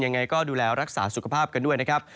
ยังไงก็ดูแลรักษาสุขภาพกันด้วยนะครับ